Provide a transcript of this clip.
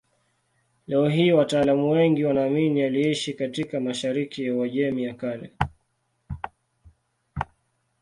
Leo hii wataalamu wengi wanaamini aliishi katika mashariki ya Uajemi ya Kale.